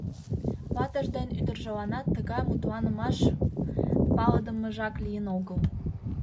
Ватыж ден ӱдыржыланат тыгай мутланымаш палыдымыжак лийын огыл.